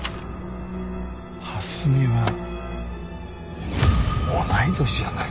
蓮見は同い年じゃないか？